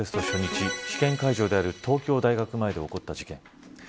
初日試験会場である東京大学前で起こった事件。